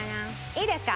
いいですか？